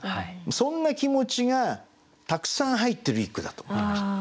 そんな気持ちがたくさん入ってる一句だと思いました。